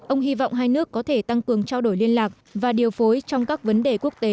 ông hy vọng hai nước có thể tăng cường trao đổi liên lạc và điều phối trong các vấn đề quốc tế